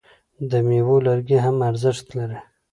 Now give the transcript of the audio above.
د میوو لرګي هم ارزښت لري.